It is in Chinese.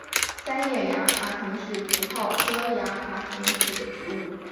三叶崖爬藤是葡萄科崖爬藤属的植物。